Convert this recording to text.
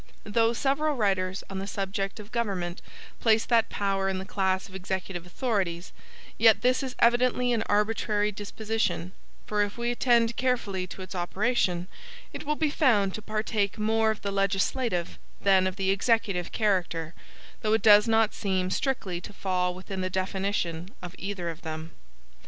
Though several writers on the subject of government place that power in the class of executive authorities, yet this is evidently an arbitrary disposition; for if we attend carefully to its operation, it will be found to partake more of the legislative than of the executive character, though it does not seem strictly to fall within the definition of either of them.